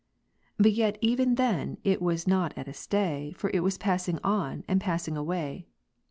But yet even then it was not at a stay ; for it was ^'^^' passing on, and passing away.